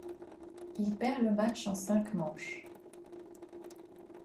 Il perd le match en cinq manches.